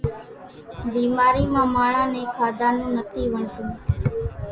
ڀيمارِي مان ماڻۿان نين کاڌا نون نٿِي وڻتون۔